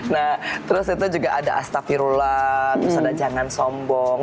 nah terus itu juga ada astafirullah terus ada jangan sombong